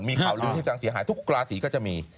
มีข่าวเรื่องที่จะเสียหายทุกเกราะสีก็จะมี